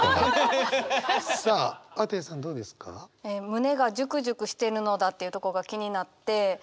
「胸がジュクジュクしてるのだ」っていうとこが気になって。